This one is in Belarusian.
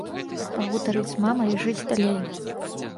Пагутарыць з мамай і жыць далей.